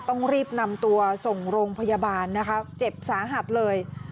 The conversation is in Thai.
ต้องรีบนำตัวส่งโรงพยาบาลนะคะเจ็บสาหัสเลย